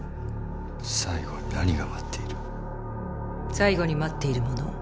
最後に待っているもの。